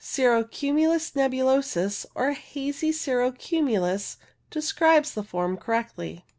Cirro cumulus nebulosus, or hazy cirro cumulus, describes the form correctly.